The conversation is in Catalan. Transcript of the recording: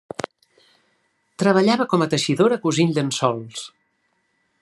Treballava com a teixidora cosint llençols.